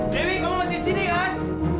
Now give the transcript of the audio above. dewi kamu masih di sini kan